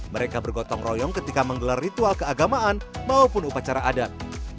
mereka bergotong royong ketika menggelar ritual keagamaan maupun upacara adat